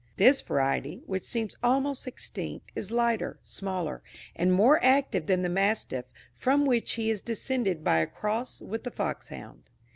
This variety, which seems almost extinct, is lighter, smaller, and more active than the mastiff, from which he is descended by a cross with the foxhound.